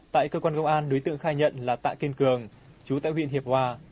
tại cơ quan công an đối tượng khai nhận là tạ kiên cường chú tại huyện hiệp hòa